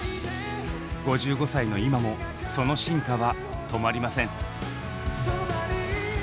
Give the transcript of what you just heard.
５５歳の今もその進化は止まりません。